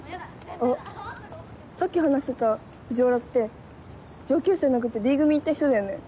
あっさっき話してた藤原って上級生殴ってＤ組行った人だよね？